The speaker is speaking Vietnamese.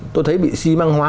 tôi thấy bị xi măng hóa